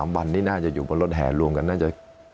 ๓วันนี้น่าจะอยู่บนรถแห่รวมกันน่าจะ